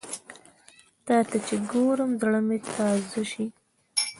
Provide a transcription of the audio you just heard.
تاته چې ګورم، زړه مې تازه شي